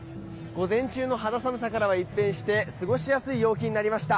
午前中の肌寒さからは一転して過ごしやすい陽気となりました。